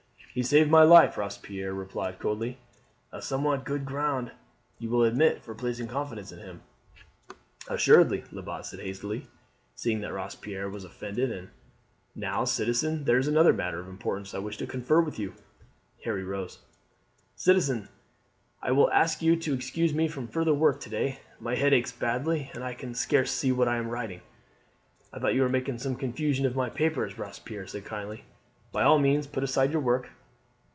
"He saved my life," Robespierre replied coldly; "a somewhat good ground, you will admit, for placing confidence in him." "Assuredly," Lebat said hastily, seeing that Robespierre was offended. "And now, citizen, there is another matter of importance on which I wish to confer with you." Harry rose. "Citizen, I will ask you to excuse me from further work to day. My head aches badly, and I can scarce see what I am writing." "I thought you were making some confusion of my papers," Robespierre said kindly. "By all means put aside your work."